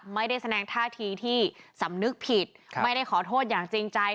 ไม่ได้แสดงท่าทีที่สำนึกผิดไม่ได้ขอโทษอย่างจริงใจ